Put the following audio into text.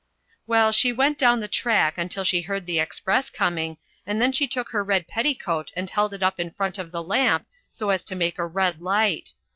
"Well, she went down the track until she heard the express coming, and then she took her red petticoat and held it up in front of the lamp so as to make a red light.